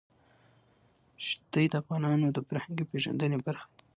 ښتې د افغانانو د فرهنګي پیژندنې برخه ده.